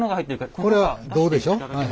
これは胴でしょ？